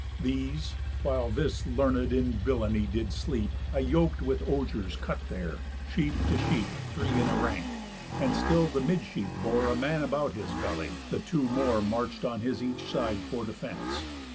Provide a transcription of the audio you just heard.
These, while this learn'd in villainy did sleep, I yok'd with osiers cut there, sheep to sheep, Three in a rank, and still the mid sheep bore A man about his belly, the two more March'd on his each side for defence.